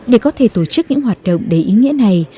để có thể tổ chức những hoạt động đầy ý nghĩa này